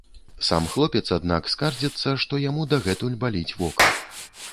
Сам хлопец, аднак, скардзіцца, што яму дагэтуль баліць вока.